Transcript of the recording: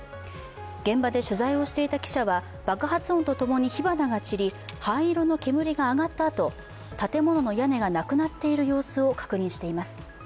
現場で取材をしていた記者は爆発音とともに火花が散り、灰色の煙が上がったあと建物の屋根がなくなっている様子を確認しています。